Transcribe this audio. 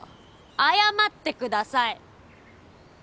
謝ってください！